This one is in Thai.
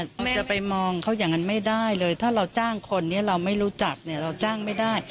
จะไปมองเขาอย่างนั้นไม่ได้เลยถ้าเราจ้างคนนี้เราไม่รู้จักเนี่ยเราจ้างไม่ได้